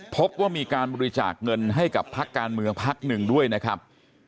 พบว่ามีการบริจาคเงินให้กับพักการเมืองพักหนึ่งด้วยนะครับ